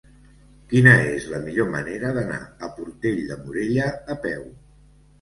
Quina és la millor manera d'anar a Portell de Morella a peu?